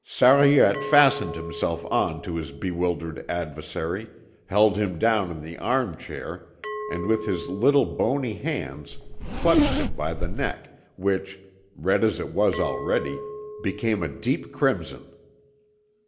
Sariette fastened himself on to his bewildered adversary, held him down in the arm chair, and with his little bony hands clutched him by the neck, which, red as it was already, became a deep crimson.